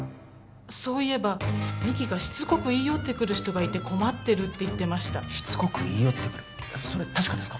そういえば美希がしつこく言い寄ってくる人がいて困ってると言ってましたしつこく言い寄ってくるそれ確かですか？